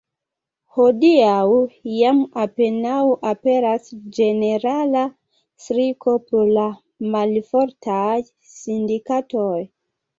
Hodiaŭ jam apenaŭ aperas ĝenerala striko pro la malfortaj sindikatoj.